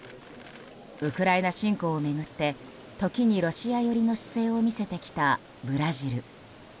ウクライナ侵攻を巡って時にロシア寄りの姿勢を見せてきたブラジル。